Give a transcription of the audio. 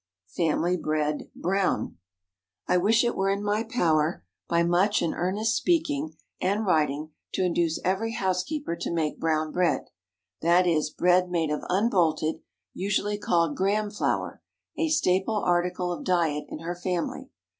FAMILY BREAD (Brown.) ✠ I wish it were in my power, by much and earnest speaking and writing, to induce every housekeeper to make brown bread—that is, bread made of unbolted, usually called Graham flour—a staple article of diet in her family.